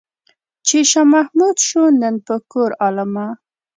چې شاه محمود شو نن په کور عالمه.